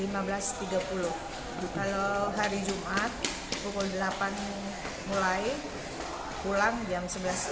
kalau hari jumat pukul delapan mulai pulang jam sebelas tiga puluh